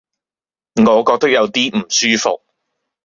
我覺得有啲唔舒服